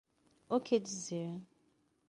O que dizer